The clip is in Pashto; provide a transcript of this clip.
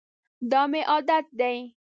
دا مي عادت دی .